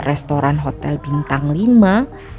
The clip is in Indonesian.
kewaran hotel bintang lima